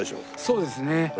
そうですね。